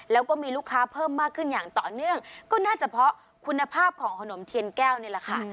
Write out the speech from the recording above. แล้วก็มีลูกค้าเพิ่มมากขึ้นอย่างต่อเนื่องก็น่าจะเพราะคุณภาพของขนมเทียนแก้วนี่แหละค่ะ